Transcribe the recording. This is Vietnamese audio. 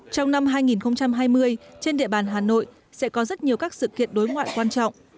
trong năm hai nghìn hai mươi trên địa bàn hà nội sẽ có rất nhiều các sự kiện đối ngoại quan trọng